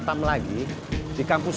minum kakak kalau pedes